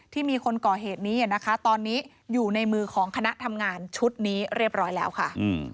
มีคนก่อเหตุนี้นะคะตอนนี้อยู่ในมือของคณะทำงานชุดนี้เรียบร้อยแล้วค่ะ